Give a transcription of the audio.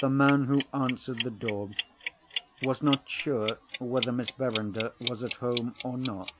The man who answered the door was not sure whether Miss Verinder was at home or not.